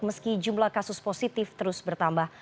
meski jumlah kasus positif terus bertambah